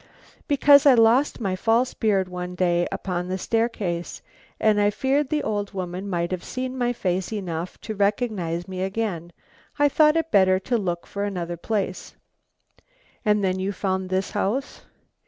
"Because I lost my false beard one day upon the staircase, and I feared the old woman might have seen my face enough to recognise me again. I thought it better to look for another place." "And then you found this house."